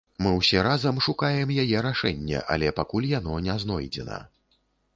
Мы ўсе разам шукаем яе рашэнне, але пакуль яно не знойдзена.